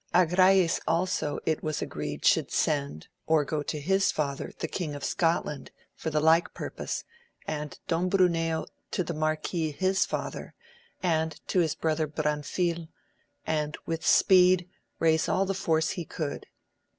Agrayes also it was agreed should send, or go AMADIS OF GAUL 81 to his father the king of Scotland for the like purpose, and Don Bruneo to the marquis his father, and to his brother Branfil, and with speed raise all the force he could.